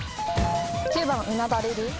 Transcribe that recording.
９番うなだれる？